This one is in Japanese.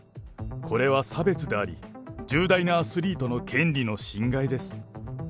これは差別であり、重大なアスリートの権利の侵害です。